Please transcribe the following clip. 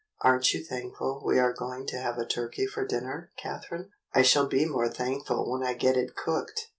Are n't you thankful we are going to have a turkey for dinner, Catherine. f^" "I shall be more thankful when I get it cooked."